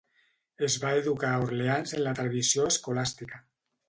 Es va educar a Orleans en la tradició escolàstica.